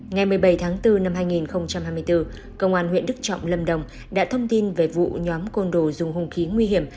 ngày một mươi bảy tháng bốn năm hai nghìn hai mươi bốn công an huyện đức trọng lâm đồng đã thông tin về vụ nhóm côn đồ dùng hung khí nguy hiểm